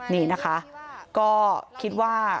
นี่นะคะก็คิดว่า